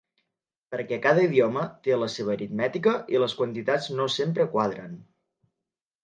Perquè cada idioma té la seva aritmètica i les quantitats no sempre quadren.